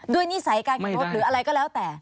นิสัยการขับรถหรืออะไรก็แล้วแต่